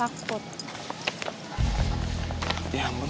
tapi itu ada sifat apa dulu